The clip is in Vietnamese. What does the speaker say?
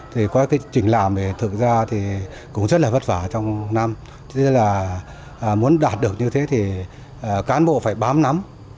thì qua cái trình làm thì thực ra thì cũng rất là vất vả trong năm thế nên là muốn đạt được như thế thì cán bộ phải bám nắm